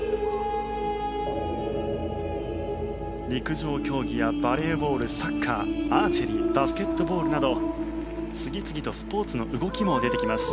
陸上競技やバレーボール、サッカーアーチェリーバスケットボールなど次々とスポーツの動きも出てきます。